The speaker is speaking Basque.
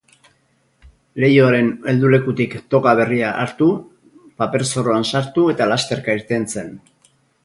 Leihoaren heldulekutik toga berria hartu, paper-zorroan sartu eta lasterka irten zen.